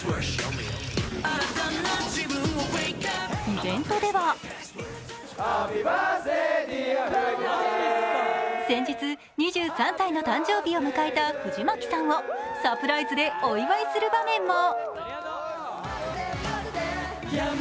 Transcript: イベントでは先日２３歳の誕生日を迎えた藤牧さんをサプライズでお祝いする場面も。